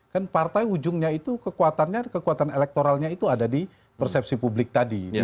kan partai ujungnya itu kekuatannya kekuatan elektoralnya itu ada di persepsi publik tadi